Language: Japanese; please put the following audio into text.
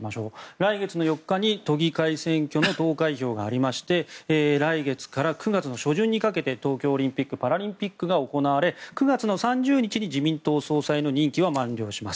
来月の４日に都議会選挙の投開票がありまして来月から９月の初旬にかけて東京オリンピック・パラリンピックが行われて９月３０日に自民党総裁の任期は満了します。